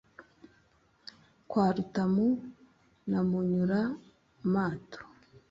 kwa rutamu na munyura-mato